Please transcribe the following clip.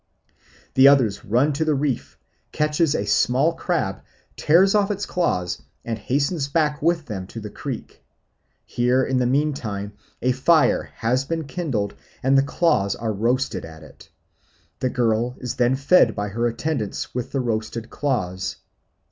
The other runs to the reef, catches a small crab, tears off its claws, and hastens back with them to the creek. Here in the meantime a fire has been kindled, and the claws are roasted at it. The girl is then fed by her attendants with the roasted claws.